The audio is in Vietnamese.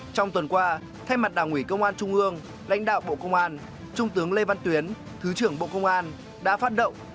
trong tuần qua thay mặt đảng ủy công an trung ương lãnh đạo bộ công an trung tướng lê văn tuyến thứ trưởng bộ công an đã phát động